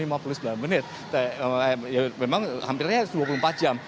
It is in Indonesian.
memang hampirnya dua puluh empat jam